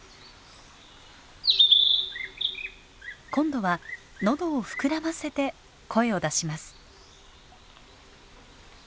今度は喉を膨らませて声を出します。